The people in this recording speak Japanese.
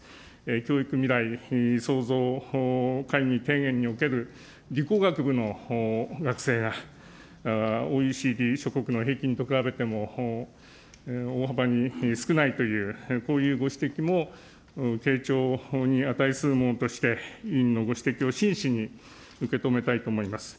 教育未来創造会議提言における理工学部の学生がＯＥＣＤ諸国の平均と比べても、大幅に少ないという、こういうご指摘も傾聴に値するものとして、委員のご指摘を真摯に受け止めたいと思います。